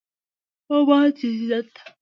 ما بعد جديديت